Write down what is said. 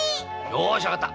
よーしわかった！